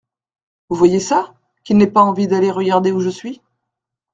Vous voyez ça ? Qu'il n'ait pas envie d'aller regarder où je suis.